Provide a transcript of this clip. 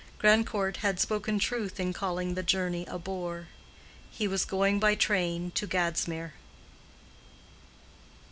Grandcourt had spoken truth in calling the journey a bore: he was going by train to Gadsmere.